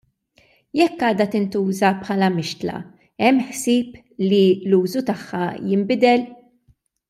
Jekk għadha tintuża bħala mixtla, hemm ħsieb li l-użu tagħha jinbidel?